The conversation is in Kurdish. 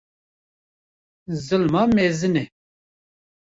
zilma mezin e.